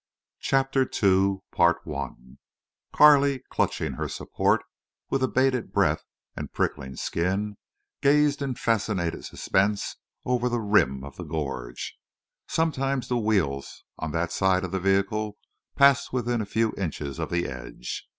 CHAPTER II Carley, clutching her support, with abated breath and prickling skin, gazed in fascinated suspense over the rim of the gorge. Sometimes the wheels on that side of the vehicle passed within a few inches of the edge.